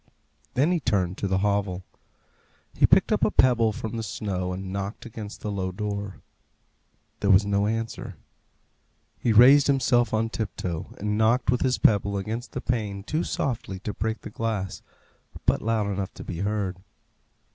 Then he turned to the hovel. He picked up a pebble from the snow, and knocked against the low door. There was no answer. He raised himself on tiptoe, and knocked with his pebble against the pane too softly to break the glass, but loud enough to be heard.